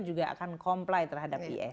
juga akan comply terhadap es